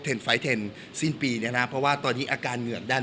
ไฟเชียร์เมื่อเมื่อนี้นะเพราะว่าคือตอนนี้อาการเหงื่อด้าน